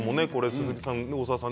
鈴木さん、大沢さん